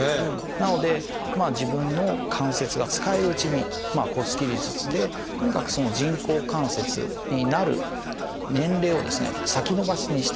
なので自分の関節が使えるうちに骨切り術でとにかく人工関節になる年齢を先延ばしにしたい。